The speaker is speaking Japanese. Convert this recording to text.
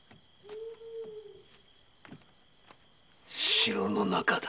城の中だ。